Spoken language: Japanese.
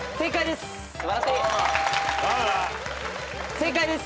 正解です。